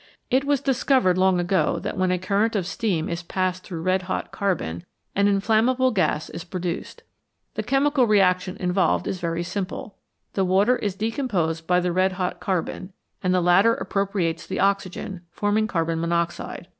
It was discovered long ago that when a current of steam is passed through red hot carbon, an inflammable gas is pro 150 MORE ABOUT FUEL duced. The chemical reaction involved is very simple ; the water is decomposed by the red hot carbon, and the latter appropriates the oxygen, forming carbon monoxide.